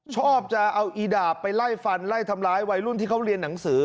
ชอบจะเอาอีดาบไปไล่ฟันไล่ทำร้ายวัยรุ่นที่เขาเรียนหนังสือ